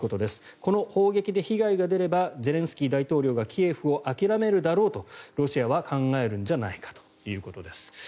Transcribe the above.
この砲撃で被害が出ればゼレンスキー大統領がキエフを諦めるだろうとロシアは考えるんじゃないかということです。